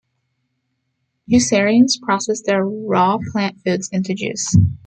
Juicearians process their raw plant foods into juice.